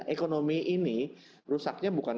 ekonomi ini rusaknya bukan